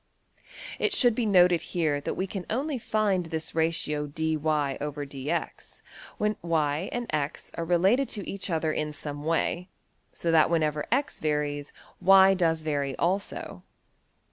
It should be noted here that we can only find this ratio~$\dfrac{dy}{dx}$ when $y$~and~$x$ are related to each other in some way, so that whenever $x$~varies $y$~does vary also.